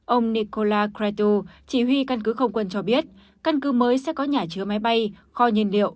ông nikola cretu chỉ huy căn cứ không quân cho biết căn cứ mới sẽ có nhà chứa máy bay kho nhân liệu